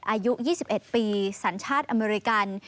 อายุ๒๑ปีสัญชาติอเมริกัน